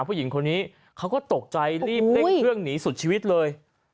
ผู้หญิงคนนี้เขาก็ตกใจรีบเร่งเครื่องหนีสุดชีวิตเลย